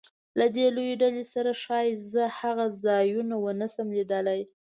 له دې لویې ډلې سره ښایي زه هغه ځایونه ونه شم لیدلی.